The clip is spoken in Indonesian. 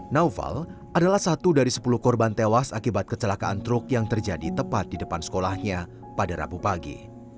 naufal adalah satu dari sepuluh korban tewas akibat kecelakaan truk yang terjadi tepat di depan sekolahnya pada rabu pagi